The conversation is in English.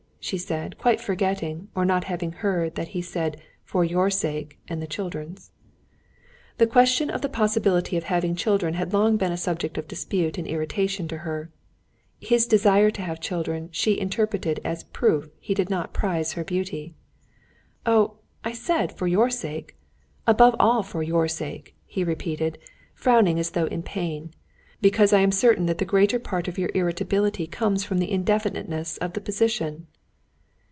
she said, quite forgetting or not having heard that he had said, "For your sake and the children's." The question of the possibility of having children had long been a subject of dispute and irritation to her. His desire to have children she interpreted as a proof he did not prize her beauty. "Oh, I said: for your sake. Above all for your sake," he repeated, frowning as though in pain, "because I am certain that the greater part of your irritability comes from the indefiniteness of the position."